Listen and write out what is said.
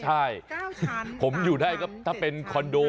ใช่ผมอยู่ได้ว่าเธอเป็นคอนโดคน